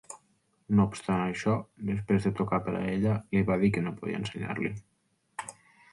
No obstant això, després de tocar per a ella, li va dir que no podia ensenyar-li.